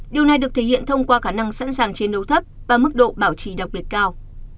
điều này được thể hiện thông qua khả năng sẵn sàng chiến đấu thấp và mức độ bảo trì đặc biệt cao